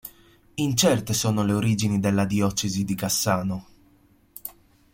Incerte sono le origini della diocesi di Cassano.